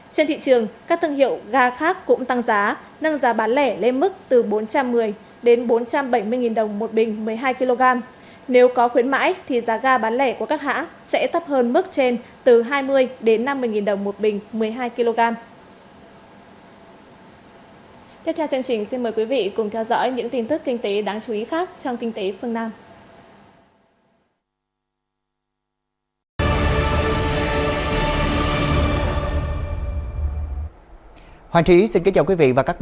trên thị trường các thương hiệu ga khác cũng tăng giá